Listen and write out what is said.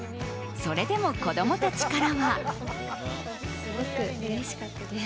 それでも子供たちからは。